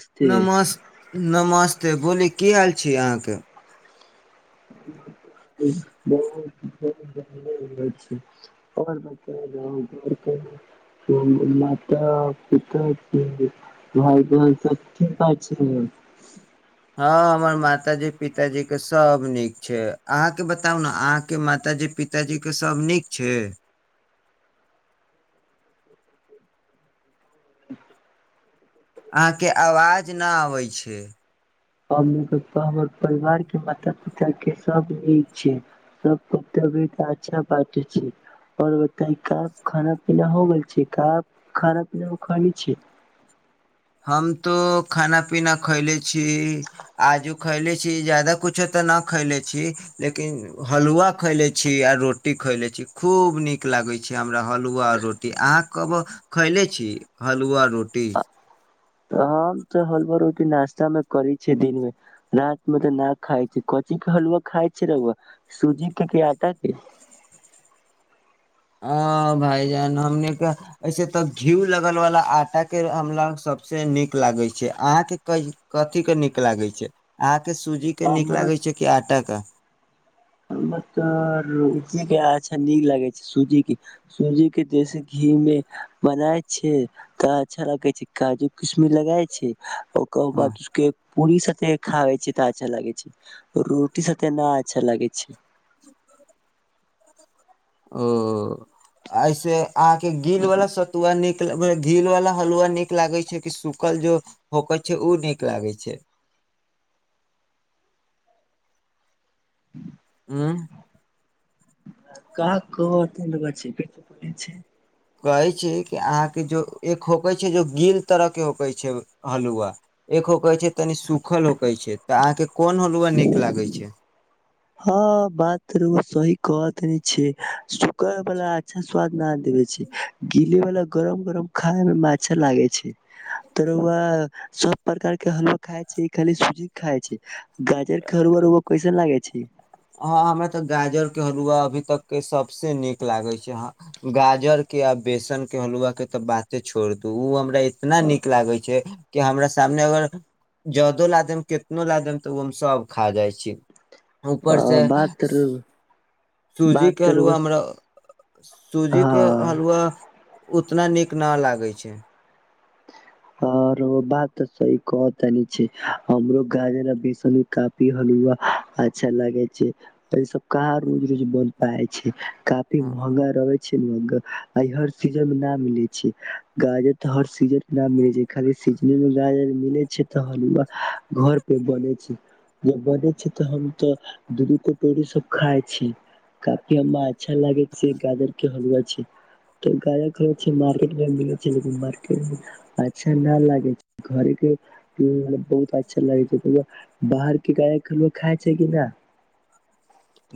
नमस्ते नमस नमस ते बोली की ऐल छी अहाँके [unintelligible] हँ हमर माताजी पिताजीके सभ नीक छै अहाँके बताउ ने अहाँके माताजी पिताजीके सभ नीक छै अहाँके आवाज ना आबै छै मम्मी पापा हमर परिवार के माता पिता के सब नीक छै सब कर्तव्य त अच्छा बटे छै आओर बता क खाना पीना हो गेल छै क खाना पीना खाली छै हम तऽ खाना पीना खयले छी आजू खयले छी ज्यदाा किछो तऽ नहि खयले छी लेकिन हलुआ खयले छी आ रोटी खयले छी खूब नीक लागै छै हमरा हलुआ रोटी अहाँ कबो खयले छी हलुआ रोटी हम तऽ हलुवा रोटी नास्ता मे करै छे दिन मे रात में तऽ न खाय छै कथी के हलुवा खाय छै रउआ सूजी के आटा के ह भाायजान हमनीके ऐसे तऽ घीउ लगलवला आटाके हमरा सभसँ नीक लागैत छै अहाँके कथीके नीक लागैत छै अहाँ के सूजी के नीक हमरो लागै छै कि आटा के [unintelligible] अच्छा नीक लागे छै सूजी के सूजी के देशी घी मे बनाय छै तऽ अच्छा लगे छै काजू किशमि लगाय छै [unintelligible] खाइ छी तऽ अच्छा लागै छै रोटी साथे न अच्छा लागै छै अच्छा ओ अऐसे अहां के गील वाला सतुआ नीक लगै गील वाला हलुआ नीक लागै छै कि सूखल जो होकइ छै ओ नीक लागै छै [unintelligible] [inaudible] [unintelligible] कहै छै कि अहाँके जो एक होकै छै जो गील तरह के होक छै हलुआ एक होकै छै तनी सूखल होकै छै तऽ अहाँके कोन हलुआ नीक लागै छै हँ बात रउआ सही कहतानी छी सूखल वाला अच्छा स्वाद न देबे छैय गीले वाला गरम गरम खाय मे अच्छा लागे छैय त रउआ सब प्रकार के हलवा खाय छै खाली सुजी के खाय छैय गाजर के हलुआ रउआ कइसन लागै छैय हँ हमरा तऽ गाजरके हलुआ अभी तकके सभसँ नीक लागैत छैय हँ गाजरके आ बेसनके हलुआके तऽ बाते छोड़ दू उ हमरा इतना अ नीक लागैत छैय कि हमरा सामने अगर जदो ल देम कितनो ला देम तऽ ओ हम सभ खा जाइत छी अ, उपर से बात तो रउआ सूजी बात के तो रउआ हलुआ हमरा सूजी के हँ। हलुवा उतना नीक ना लागै छैय आ और बात तऽ सही कह तानी छैय हमरो गाजर आ बेसन कफी हलुआ अच्छा लागे छैय ई सब कहाँ रोज रोज बन पाबय छैय। काफी महंगा रहै छैय आ हर सीजन मे न मिले छैय गाजर तऽ हर सीजन मे न मिलय छै लय खाली सीजने मेर मिले छैय तऽ हलुवा घर पे बने छैय ज बने छैय तऽ हम तो दूू दु कटोरी सब खाय छी काफी हमरा अच्छा लागै छैय गाजर के हलुआ छैय त मार्केट मे मिल छैय लेकिन मार्केट में अच्छा नहि लागै छैय घरे के बहुत अच्छा लागै छैय बाहरके जाय के रउआ खाइ छैय कि न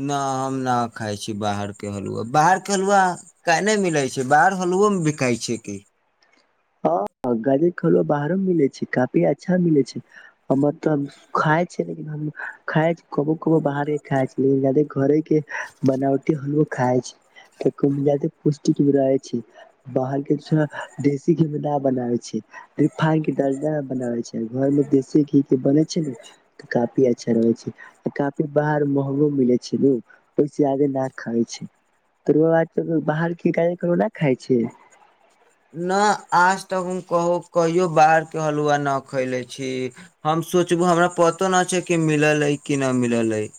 नहि हम नहि खाइ छी बाहरके हलुआ बाहरके हलुआ क नहि मिलै छैय बाहर हलुओ बिकाइ छैय कि हँ गाजर के हलुवा बाहरो मिलै छैय काफी अच्छा मिलै छैय हमर तऽ खाय छ खाय छी कबो कबो बाहर के खाय छी लेकिन ज्यादा घरे के बनावटी हमो खाय छी खूम ज्यादे पुष्टिक भी रह छी बाहर के [unintelligible] देशी घी मे नहि बनाबै छैय रिफान के डालडामें बनाबै छैय घरमें देशी घी के बनय छैय न त काफी अच्छा रहै छैय काफी बाहर महगो मिलै छैय नु ओहिसे नहि खा छैय [unintelligible] बाहर के [unintelligible] खाइ छैय। न आज तक हम कहू कहियो बाहरके हलुआ नहि खैले छी हम सोचबहु हमरा पतो नहि छैय कि मिलल अछि कि नहि मिलल अछि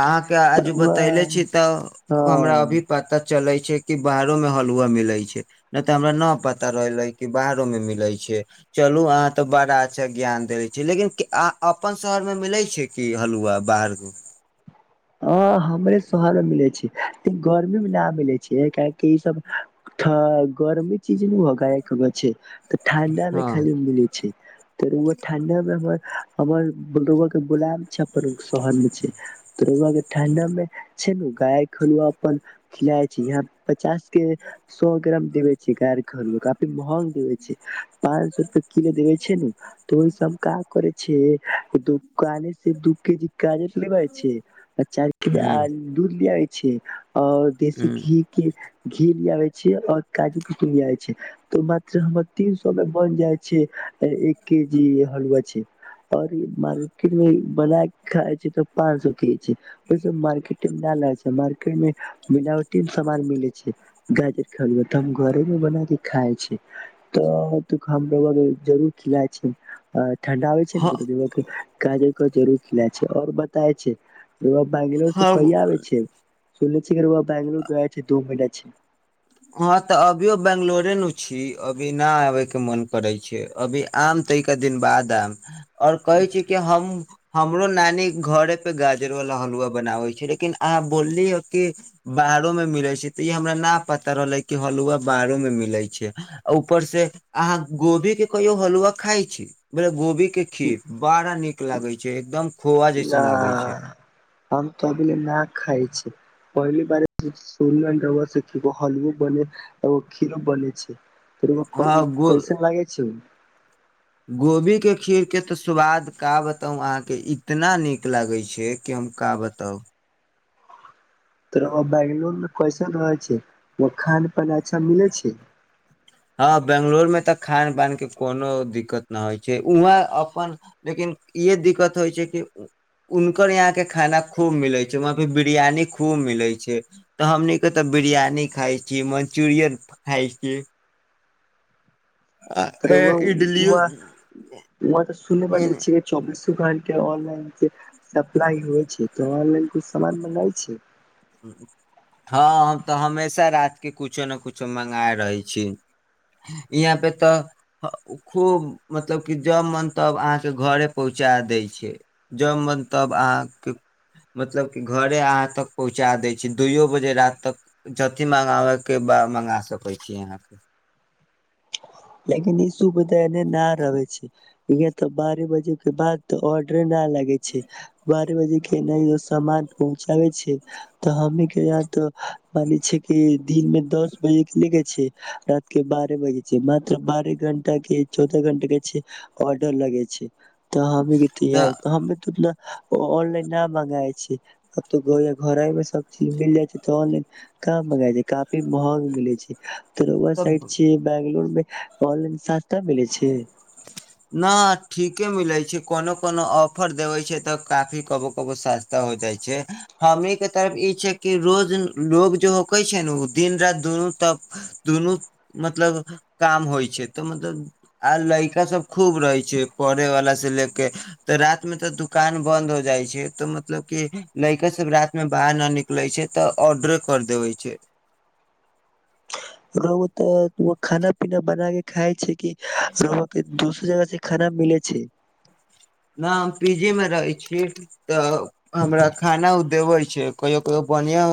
अहाँ के आज तरुआ बतेले छी तऽ हमरा हँ अभी पता चलै कि बाहरो में हलुआ मिलै छैय नहि तऽ हमरा न पता रहलै कि बाहरोमे मिलै छैय चलू अहाँ तऽ बड़ा अच्छा ज्ञान देलै छियै लेकिन अपन शहरमे मिलै छैय कि हलुआ बाहर मे ह हमरे शहर मे मिलै छैय लेकिन गर्मी मे नहि मिलै छैय काहि ई सब ठ गर्मी [unintelligible] त ठंडा में हँ खाली मिलय छैय त रौआ ठंडा में हमरा [unintelligible] शहर में छैय त रौआ के [unintelligible] के सए ग्राम देेबय छैय कारखान मे काफी महग देबय छैय पाच सए रुपआ किलो देबय छैय ने त ओहिस हम काज करे छी दुकाने से दू केजी गाजर छी आ चायर किलो ह आलू दुध ले आबय छे आओर देसी घी के घी लियाबे छ और काजू कतू लियाबे छै तो मात्र हमर तीन सए मे बन जाय छैय एक केजी हलुआ छैय और मार्केट मे बना खाय छैय तऽ पाँच सए के [unintelligible] मार्केट [unintelligible] मार्केटमे मिलावटी सम मान मिलै छैय गाजर के हलुआ त हम घरे मे बना के खाय छी त हमो जरु र खिलए छैय ठणडा होय छैय ने ह त गाजर क जरुर खिला छैऔर ब [unintelligible] त छै [unintelligible] त बैंगलोर से कहिआ हम आबै छियैक [unintelligible] हँ तऽ अभियो बंगललोरे नु छी अभी न आबे केँ मन करै छैक अभी आम तऽ एक दिनक बाद आयब और कहैत छी कि हम हमरो नानी घरे पे गाजरवाल हलुआ बनाबे छैक लेकिन अहाँ बोलली हां कि बाहरो मे मिलै छैक तऽ ई हमरा न पता रहलै कि हलुआ बाहरो मे मिले छै आ ऊपर से अहाँ गोभी केँ कहियो हलुआ खाय छी गोभी केँ केँ खीर बड़ा नीक लागय छैक एकदम खोआ ना जैसन लागय छैक हम तऽ अभीले ना खाइ [unintelligible] हँ कैसन लगय छैक गोभीकेँ खीरकेँ तऽ स्वाद का बताउ अहाँके इतना नीक लागय छैक कि हम का बताउ तऽ रौआ बैंगलोर मे कैसन रहय छै वहाँ खान पान अच्छा मिलय छैक। हँ बेंगलोरमे तऽ खान पानकेँ कोनो दिक्कत न होइ छैक उहाँ अपन लेकिन इहे दिक्कत होइ छैक कि हुनकर यहाँके खाना खूब मिलय छैक वहाँपे बिरियानी खूब मिलय छैक तऽ हमनीकेँ तऽ बिरियानी खाइत छी मन्चुरियन खाइत छी [unintelligible] इडलियो दुकान केँ ऑनलाइन सप्लाइ होइत छैक तऽ ऑनलाइन कुछ सामान मंगाइ छि हँ हम तऽ हमेशा रातिकेँ कुछो ने कुछो मङगाबैत रहैत छीक यहाँपे तऽ खूब मतलब कि जब मन तब अहाँके घरे पहुँचा दय छैक जब मन तब अहाँके मतलब कि घरे अहाँ तक पहुँचा दै छी दुइयओ बजे राति तक जथि मङ्गाबयकेँ बा मङ्गा सकैत छी अहाँ लेकिन ई श बा एने न रहे छै अ तऽ बार बजे के बाद तऽ ऑडर न लागे [unintelligible] [unintelligible] बह बजे के नहि सान पहुँचाबे छै तऽ हममे के यह त मान छ कि दिन मे दस बजे के ले के छै रात के बारह बजे छै मा [unintelligible] बारह घंटा केँ चौद घंटा केँ छैक ऑर्डर लगे छैक तऽ तऽ हम [unintelligible] ओ ऑनलाइन न मंगाय छैक घरे मे सब चीज मिल जाइ छैक तऽ ऑनलाइन कहाँ मंगाय महग मिलै छैक त रौआ साइड तब छीय बंगलोर मे ऑनलाइन सस्ता मिलय छैक। न ठीके मिलय छैक कोनो कोनो ऑफर देबय छै तऽ काफी कबो कबो सस्ता हो जाइ छै हमी केँ तरफ ई छैक कि रोज लोग जे होकै छै ने ओ दिन राति दुनू त दुनू मतलब काम होइत छैक तऽ मतलब लड़का सब खूब रहय छैक पढ़े वाला से ले केँ तऽ रात मे तऽ दुकान बंद हो जाइत छैक तऽ मतलब क लड़का सब राति मे बाहर न निकले छैक तऽ ऑर्डरे कर देबय छैक रोउआ खाना पीना बनााकेँ खाइ छियैक कि दोसर जगह से खाना मिलय छैक हँ हम पीजी मे रहैत छी तऽ हमरा खाना ओ देबे छैक कहियो कहियो बढ़िआँ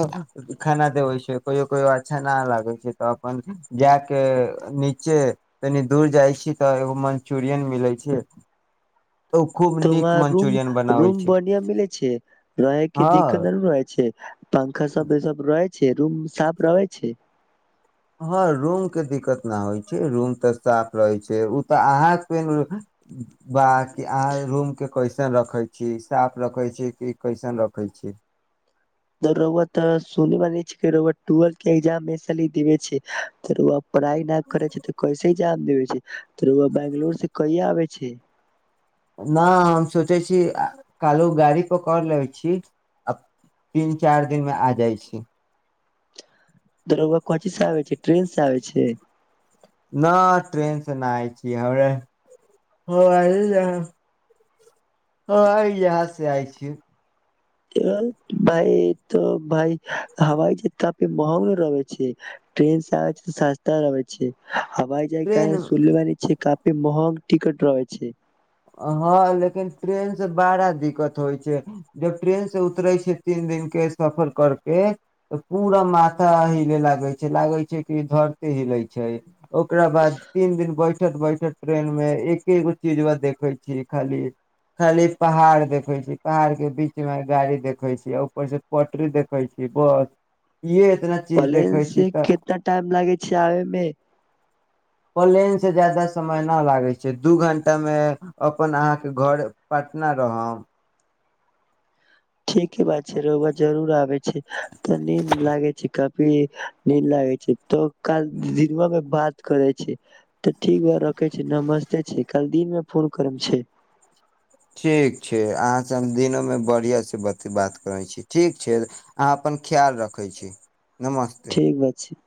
खाना देबे छैक कहियो कहियो अच्छा नहि लागैत छैक तऽ अपन जाके नीचे कनि दूर जाइ छी तऽ एगो मन्चुरियन मिलय छैक तोर रूम रूम छै बढ़िया मिलय छैट रहय केँ हँ दिक्कत नहि न रहय छैक पंखा सब रहय छैक रूम साफ रहय छैक हँ रूमकेँ दिक्कत नहि होइत छैक रूम तऽ साफ रहय छैक ओ तऽ अहाँ पर बा कि अहाँ रूमकेँ कैसन राखय छी साफ राखय छी कि कैसन रखय छी [inaudible] पढ़ाइ नहि करय छियैक त कैसे इक्जाम दय छियैक त रौआ बैंगलूर सँ कहिआ आबय छि नहि हम सोचय छी कल गाड़ी पकड़ लैत छी आ तीन चारि दिनमे आ जाइत छी [unintelligible] ट्रेन से आबय छियैक न ट्रेन सँ नहि आबय छी हवाई जहाज सँ आबैत छी भइ त भइ हवाई ज काफि महग रहै छै ट्रेन से आब छै सस्ता रहय छै हवाइ जायकां ट्रेन सुनले बानी छै काफी महंग टिकट रहय छै हँ लेकिन ट्रेन से बड़ा दिक्कत होइ छै जब ट्रेन से उतरे छै तीन दिनक के सफर करके तऽ पूरा माथा हिले लागय छै लागय छै कि धरते हिलय छै ओकरा बाद तीन दिन बैठ कट बायकट ट्रेनमे एकेगो चीजबा देख देखै छी खाली खाली पहाड़ देखय छी पहाड़ के बीच मे गाड़ी देखय छीयै ऊपर से पोटरी देखय छी बस इहे इतना चीज प्लेन देखे छी से तऽ कितना टाइम लागै छै आबयमे प्लेन से जादा समय नहि लागै छै दू घंटामे अपन अहाँके घर पटना रहब की बात छै रौआ जरूर आबय छै तऽ नीन लागे छै क भी नींद लागय छै तऽ काल दिनमामे बात करै छै तऽ ठीक बा रखय छी नमस्ते छै काल दिन मे फोन करमे छै ठीक छै अहाँसँ हम दिनोमे बढ़ियासँ बात करै छी ठीक छै अहाँ अपन ख्याल रखय छी नमस्ते ठीक बा छै